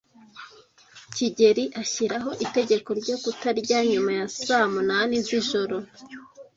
kigeli ashyiraho itegeko ryo kutarya nyuma ya saa munani zijoro